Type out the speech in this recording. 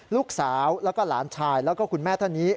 ลูกสาวแล้วก็หลานชายแล้วก็คุณแม่ท่านนี้